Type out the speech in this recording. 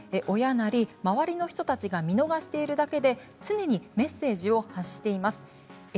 親や周りの人たちが見逃しているだけで常にメッセージを発しています。